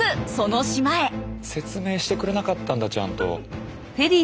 説明してくれなかったんだちゃんと。